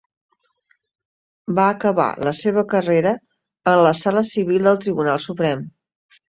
Va acabar la seva carrera en la Sala civil del Tribunal Suprem.